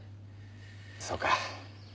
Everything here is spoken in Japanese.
そうか。